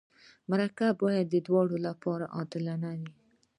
مرکه باید د دواړو لپاره عادلانه وي.